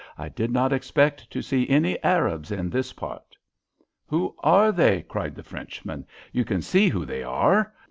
"I did not expect to see any Arabs in this part." "Who they are?" cried the Frenchman. "You can see who they are.